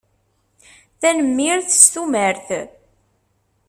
Tanemmirt. S tumert.